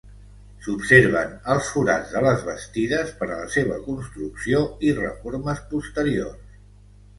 S'observen els forats de les bastides per a la seva construcció i reformes posteriors.